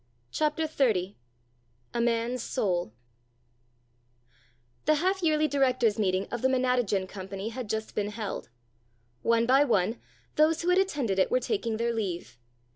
CHAPTER XXX A MAN'S SOUL The half yearly directors' meeting of the Menatogen Company had just been held. One by one, those who had attended it were taking their leave.